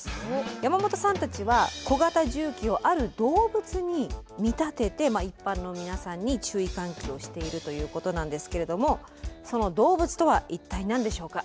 山本さんたちは小型重機をある動物に見立てて一般の皆さんに注意喚起をしているということなんですけれどもその動物とは一体何でしょうか？